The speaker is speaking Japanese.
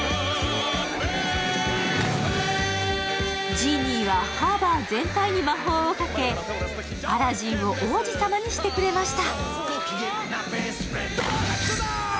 ジーニーはハーバー全体に魔法をかけ、アラジンを王子様にしてくれました。